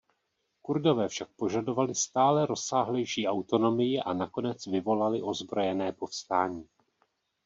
Kurdové však požadovali stále rozsáhlejší autonomii a nakonec vyvolali ozbrojené povstání.